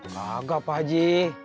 kagak pak ji